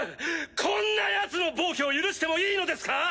こんなヤツの暴挙を許してもいいのですか